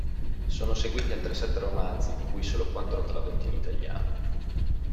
Sono seguiti altri sette romanzi di cui solo quattro tradotti in italiano.